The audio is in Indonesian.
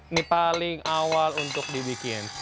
ini paling awal untuk dibikin